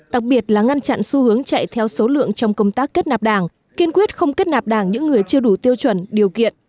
đặc biệt là ngăn chặn xu hướng chạy theo số lượng trong công tác kết nạp đảng kiên quyết không kết nạp đảng những người chưa đủ tiêu chuẩn điều kiện